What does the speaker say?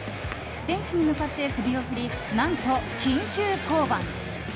ベンチに向かって首を振り何と緊急降板。